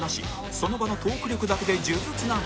その場のトーク力だけで数珠つなぎ